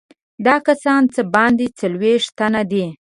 دا کسان څه باندې څلوېښت تنه دي.